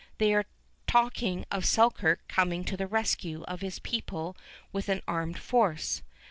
They are talking of Selkirk coming to the rescue of his people with an armed force.